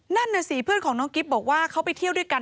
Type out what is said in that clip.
นั่นน่ะสิเพื่อนของน้องกิ๊บบอกว่าเขาไปเที่ยวด้วยกัน